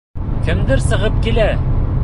Кемдер сығып килә!